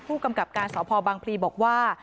ผู้กำกับการสพบังพลีบอกว่า